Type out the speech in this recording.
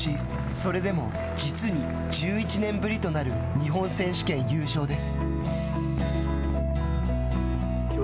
それでも、実に１１年ぶりとなる日本選手権優勝です。